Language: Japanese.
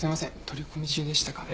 取り込み中でしたか。